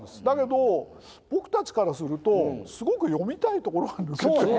だけど僕たちからするとすごく読みたいところが抜けて。